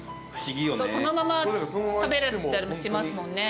そのまま食べれたりもしますもんね。